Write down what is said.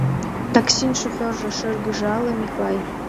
— Таксин шофёржо, — шыргыжале Миклай.